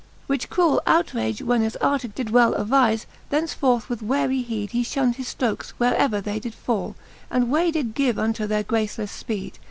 Which cruell outrage when as Artegall Did well diN'vLQ^ thenceforth with wearic heed He fhund his ftrokes, where ever they did fall, And way did give unto their gracelefle fpeed.